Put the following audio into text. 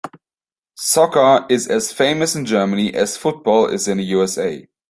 Soccer is as famous in Germany as football is in the USA.